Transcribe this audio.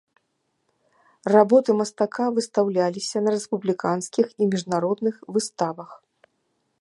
Работы мастака выстаўляліся на рэспубліканскіх і міжнародных выставах.